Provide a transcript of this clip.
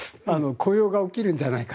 雇用が起きるんじゃないか。